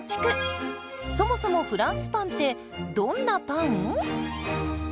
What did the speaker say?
そもそもフランスパンってどんなパン？